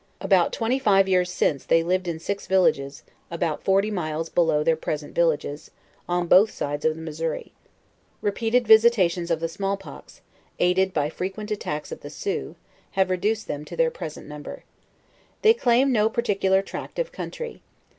About twenty five years since they lived in six villages, about forty miles below their present villages, on both sides of the Missouri. Repeated visitations of the small pox, aided by frequuent attacks of the Sioux, have re duced them to their present number. They claim no par ticular tract of country.